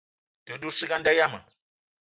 Te dout ciga a nda yiam.